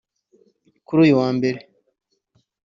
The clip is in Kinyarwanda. Kuri uyu wa Mbere